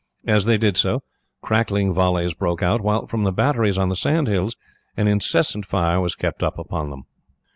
As they did so, crackling volleys broke out, while from the batteries on the sand hills an incessant fire was kept up upon them.